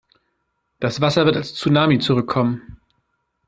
Das Wasser wird als Tsunami zurückkommen.